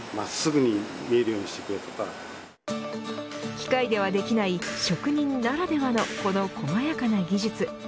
機械ではできない職人ならではのこの細やかな技術。